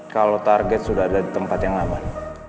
kalau target sudah ada di tempat yang aman